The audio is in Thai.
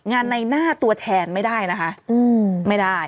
ในหน้าตัวแทนไม่ได้นะคะไม่ได้